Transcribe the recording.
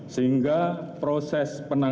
sehingga proses penanganan